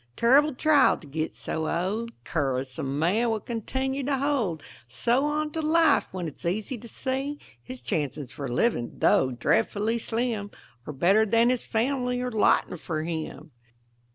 Terrible trial to get so old; Cur'us a man will continue to hold So on to life, when it's easy to see His chances for living, tho' dreadfully slim, Are better than his family are lotting for him.